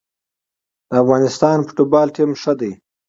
د افغانستان فوتبال ټیم ښه دی